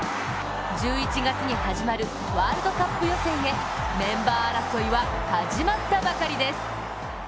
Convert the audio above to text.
１１月に始まるワールドカップ予選へメンバー争いは始まったばかりです。